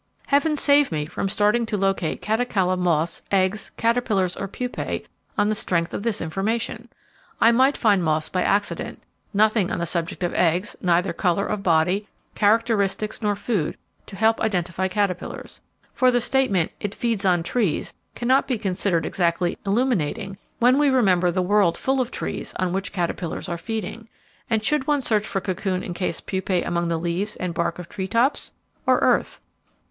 Heaven save me from starting to locate Catocala moths, eggs, caterpillars or pupae on the strength of this information. I might find moths by accident; nothing on the subject of eggs; neither colour of body, characteristics nor food, to help identify caterpillars; for the statement, 'it feeds on trees,' cannot be considered exactly illuminating when we remember the world full of trees on which caterpillars are feeding; and should one search for cocoon encased pupae among the leaves and bark of tree tops or earth?